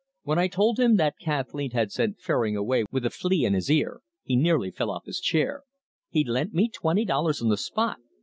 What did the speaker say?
When I told him that Kathleen had sent Fairing away with a flea in his ear, he nearly fell off his chair. He lent me twenty dollars on the spot.